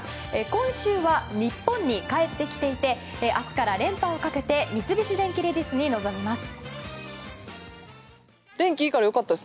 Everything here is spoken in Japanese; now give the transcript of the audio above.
今週は日本に帰ってきていて明日から連覇をかけて三菱電機レディスに臨みます。